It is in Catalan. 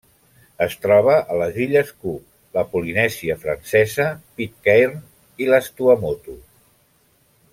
Es troba a les Illes Cook, la Polinèsia Francesa, Pitcairn i les Tuamotu.